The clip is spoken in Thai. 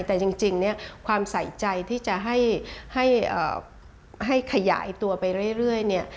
แต่จริงความใส่ใจที่จะให้ขยายตัวไปเรื่อย